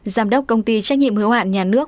giám đốc công ty trách nhiệm hứa hoạn nhà nước